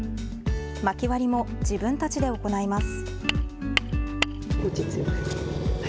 まき割りも自分たちで行います。